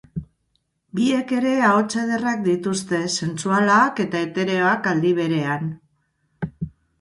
Biek ere ahots ederrak dituzte, sensualak eta etereoak aldi berean.